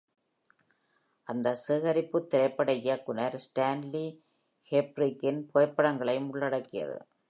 அந்த சேகரிப்பு திரைப்பட இயக்குநர் Stanley Kubrick-கின் புகைப்படங்களையும் உள்ளடக்கியது.